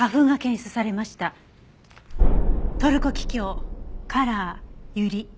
トルコキキョウカラーユリ。